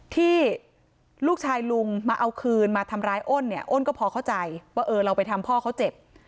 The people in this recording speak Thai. ที่ลูกชายลุงมาเอาคืนมาทำร้ายอ้นเนี่ยอ้นก็พอเข้าใจว่าเออเราไปทำพ่อเขาเจ็บ